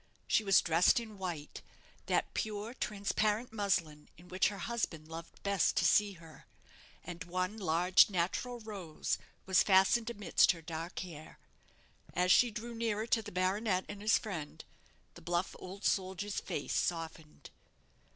She was dressed in white that pure, transparent muslin in which her husband loved best to see her and one large natural rose was fastened amidst her dark hair. As she drew nearer to the baronet and his friend, the bluff old soldier's face softened.